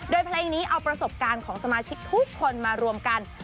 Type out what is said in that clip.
โดยเพลงนี้เอาประสบการณ์ของสมาชิกทุกคนมารวมกัน